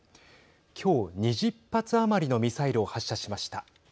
今日２０発余りのミサイルを発射しました。